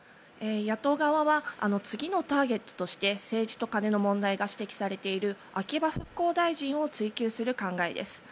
野党側は次のターゲットととして政治とカネの問題が指摘されている秋葉復興大臣を追及する考えです。